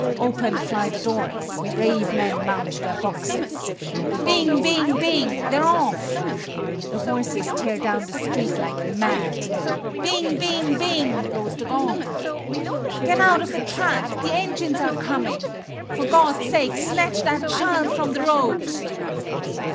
Open fly the doors; brave men mount their boxes. Bing! Bing! Bing! They're off! The horses tear down the street like mad. Bing! Bing! Bing! goes the gong! "Get out of the track! The engines are coming! For God's sake, snatch that child from the road!"